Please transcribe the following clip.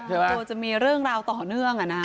โดยจะมีเรื่องราวต่อเนื่อง